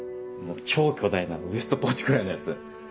超巨大なウエストポーチぐらいのやつ。